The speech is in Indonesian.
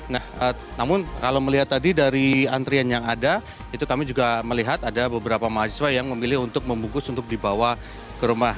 nah namun kalau melihat tadi dari antrian yang ada itu kami juga melihat ada beberapa mahasiswa yang memilih untuk membungkus untuk dibawa ke rumah